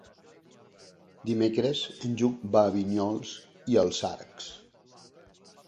Dimecres en Lluc va a Vinyols i els Arcs.